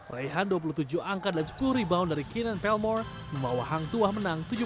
raihan dua puluh tujuh angka dan sepuluh rebound dari keenan pelmore membawa hang tua menang tujuh puluh sembilan tujuh puluh delapan